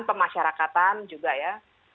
pemasyarakatan juga ya